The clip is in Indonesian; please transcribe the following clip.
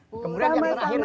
kemudian yang terakhir bu